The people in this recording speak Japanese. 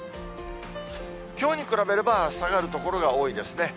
きょうに比べれば下がる所が多いですね。